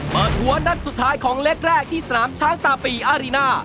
หัวนัดสุดท้ายของเล็กแรกที่สนามช้างตาปีอารีน่า